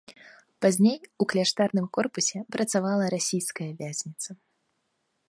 Пазней у кляштарным корпусе працавала расійская вязніца.